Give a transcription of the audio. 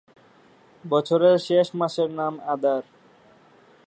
বছরের শেষ মাসের নাম আদার।